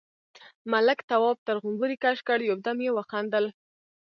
ملک، تواب تر غومبري کش کړ، يو دم يې وخندل: